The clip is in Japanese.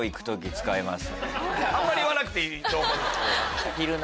あんまり言わなくていい情報です。